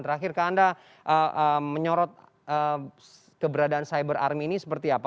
terakhir ke anda menyorot keberadaan cyber army ini seperti apa